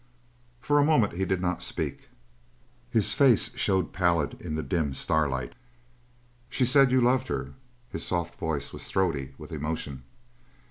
For a moment he did not speak. His face showed pallid in the dim starlight. "She said you loved her." His soft voice was throaty with emotion.